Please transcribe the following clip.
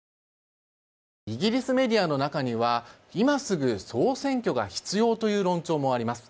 イギリスメディアの中には今すぐ総選挙が必要という論調もあります。